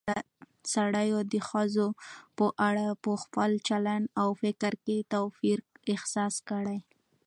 سړيو د ښځو په اړه په خپل چلن او فکر کې توپير احساس کړى